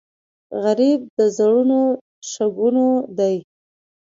غریب د زړونو شګونه دی